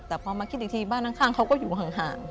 แต่พอมาคิดอีกทีบ้านข้างเขาก็อยู่ห่าง